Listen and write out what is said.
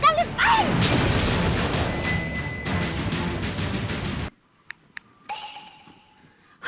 ถ้าชอบนักก็ไม่อยู่ใบตอง